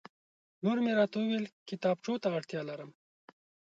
لور مې راته وویل کتابچو ته اړتیا لرم